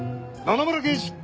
野々村刑事！